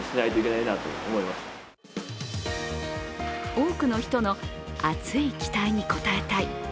多くの人の熱い期待に応えたい。